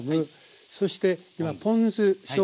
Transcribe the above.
そして今ポン酢しょうゆが大さじ２。